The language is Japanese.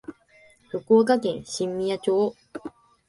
福岡県新宮町